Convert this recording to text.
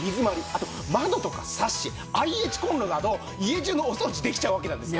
あと窓とかサッシＩＨコンロなど家中のお掃除できちゃうわけなんです！